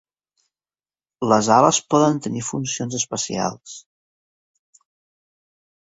Les ales poden tenir funcions especials.